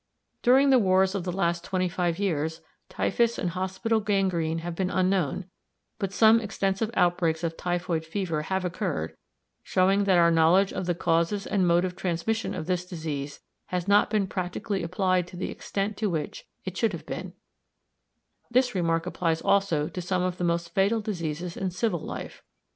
During the wars of the last twenty five years, typhus and hospital gangrene have been unknown, but some extensive outbreaks of typhoid fever have occurred, showing that our knowledge of the causes and mode of transmission of this disease has not been practically applied to the extent to which it should have been; this remark applies also to some of the most fatal diseases in civil life.